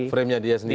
frame nya dia sendiri